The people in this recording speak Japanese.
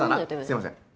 すいません。